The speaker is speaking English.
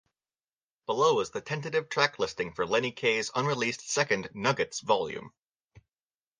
Below is the tentative track listing for Lenny Kaye's unreleased second Nuggets volume.